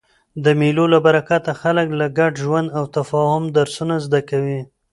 د مېلو له برکته خلک د ګډ ژوند او تفاهم درسونه زده کوي.